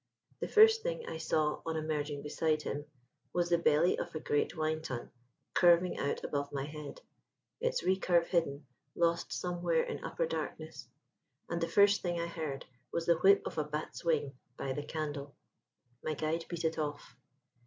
The first thing I saw on emerging beside him was the belly of a great wine tun curving out above my head, its recurve hidden, lost somewhere in upper darkness: and the first thing I heard was the whip of a bat's wing by the candle. My guide beat it off.